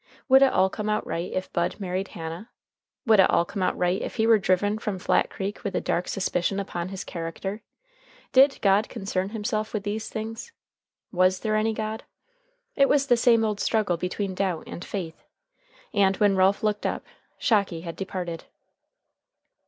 Would it all come out right if Bud married Hannah? Would it all come out right if he were driven from Flat Creek with a dark suspicion upon his character? Did God concern himself with these things? Was there any God? It was the same old struggle between Doubt and Faith. And when Ralph looked up, Shocky had departed.